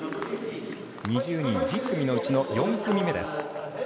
２０人１０組のうちの４組目です。